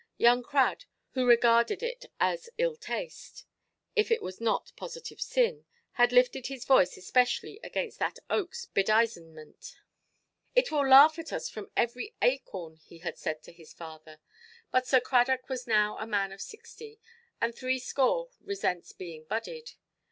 Young Crad, who regarded it all as ill–taste, if it were not positive sin, had lifted his voice especially against that oakʼs bedizenment. "It will laugh at us from every acorn", he had said to his father. But Sir Cradock was now a man of sixty; and threescore resents being budded.